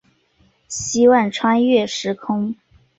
希望穿越时空